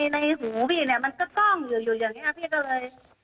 ในหูพี่เนี่ยมันก็จ้องอยู่อย่างนี้พี่ก็เลย